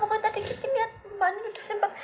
pokoknya tadi kita lihat mbak anja duduk sembar